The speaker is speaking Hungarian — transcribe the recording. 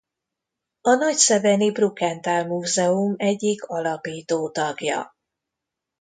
A nagyszebeni Brukenthal Múzeum egyik alapító tagja.